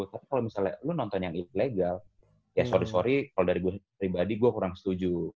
tapi kalau misalnya lu nonton yang ilegal ya sorry sorry kalau dari gue pribadi gue kurang setuju